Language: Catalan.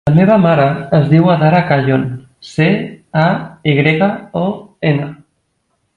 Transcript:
La meva mare es diu Adara Cayon: ce, a, i grega, o, ena.